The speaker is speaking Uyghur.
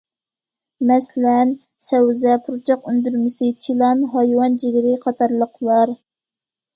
مەسىلەن: سەۋزە، پۇرچاق ئۈندۈرمىسى، چىلان، ھايۋان جىگىرى قاتارلىقلار.